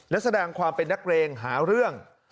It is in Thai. และแสดงความเป็นนักเลงหาเรื่อง